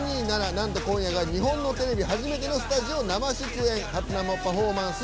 なんと、今夜が日本のテレビ初めてのスタジオ生出演初生パフォーマンス。